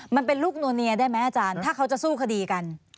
มันเป็นลูกนัวเนียได้ไหมอาจารย์ถ้าเขาจะสู้คดีกัน